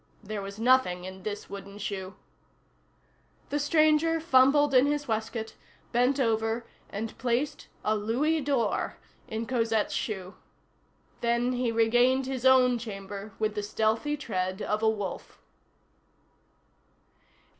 There was nothing in this wooden shoe. The stranger fumbled in his waistcoat, bent over and placed a louis d'or in Cosette's shoe. Then he regained his own chamber with the stealthy tread of a wolf.